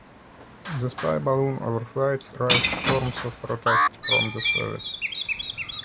The spy balloon overflights raised storms of protest from the Soviets.